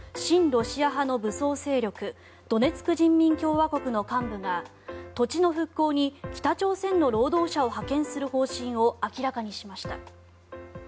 ロシア派の武装勢力ドネツク人民共和国の幹部が土地の復興に北朝鮮の労働者を派遣する方針を明らかにしました。